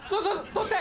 取って！